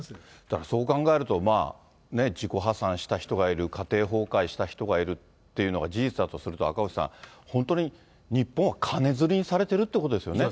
だから、そう考えると、自己破産した人がいる、家庭崩壊した人がいるっていうのが事実だとすると、赤星さん、本当に日本は金づるにされてるってことですよね。